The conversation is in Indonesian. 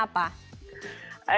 best spotnya apa